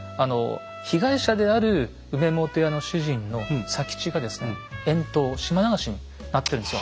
被害者である梅本屋の主人の佐吉がですね遠島島流しになってるんですよ。